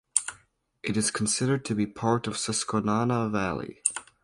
It is considered to be part of the Susquenanna Valley.